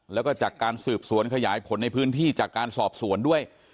แล้วก็จากการสืบสวนขยายผลในพื้นที่จากการสอบสวนด้วย